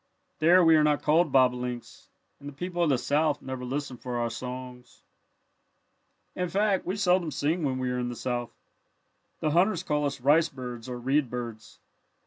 There we are not called bobolinks and the people of the South never listen for our songs. "In fact we seldom sing when we are in the South. The hunters call us 'rice birds' or 'reed birds.'